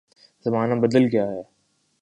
زمانہ بدل گیا ہے۔